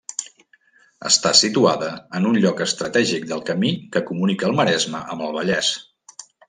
Està situada en un lloc estratègic del camí que comunica el Maresme amb el Vallès.